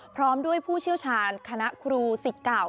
พร้อมด้วยผู้เชี่ยวชาญคณะครูสิทธิ์เก่า